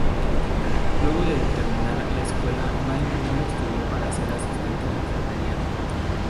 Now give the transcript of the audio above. Luego de terminar la escuela, May primero estudió para ser asistente de enfermería.